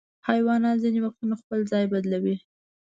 حیوانات ځینې وختونه خپل ځای بدلوي.